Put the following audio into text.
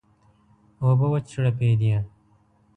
اوبه وچړپېدې.